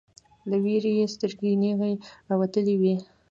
له ویرې یې سترګې نیغې راوتلې وې